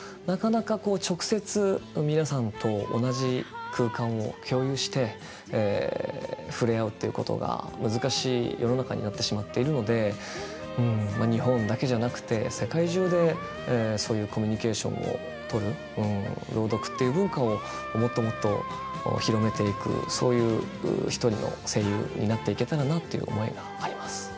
なかなか直接皆さんと同じ空間を共有して触れ合うということが難しい世の中になってしまっているのでまあ日本だけじゃなくて世界中でそういうコミュニケーションをとる朗読という文化をもっともっと広めていくそういう一人の声優になっていけたらなという思いがあります。